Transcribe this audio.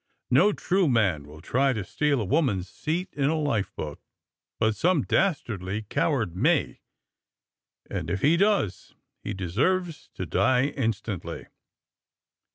No trne man will try to steal a woman's seat in a life boat, but some dastardly coward may, and if he does he de serves to die instantly.'